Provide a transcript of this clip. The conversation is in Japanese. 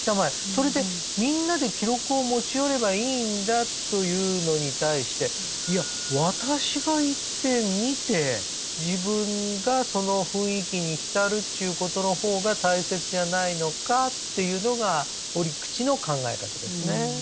それでみんなで記録を持ち寄ればいいんだというのに対していや私が行って見て自分がその雰囲気に浸るっちゅうことの方が大切じゃないのかっていうのが折口の考え方ですね。